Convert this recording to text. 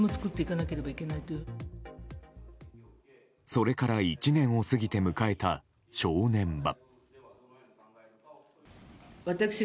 それから１年を過ぎて迎えた正念場。